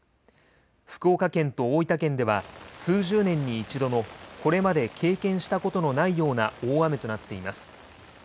福岡県と大分県では、数十年に一度のこれまで経験したことのないような大雨となっています。